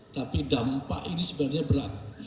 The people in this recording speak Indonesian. tapi dampak ini sebenarnya berat